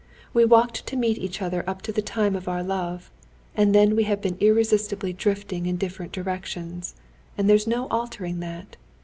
We walked to meet each other up to the time of our love, and then we have been irresistibly drifting in different directions. And there's no altering that.